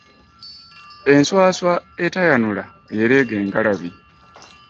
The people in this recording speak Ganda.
Enswaswa etayanula, yeelega engalabi.